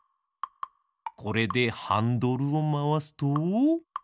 これでハンドルをまわすと。